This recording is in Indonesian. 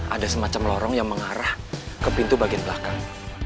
ada semacam lorong yang mengarah ke pintu bagian belakang